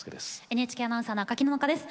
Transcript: ＮＨＫアナウンサー赤木野々花です。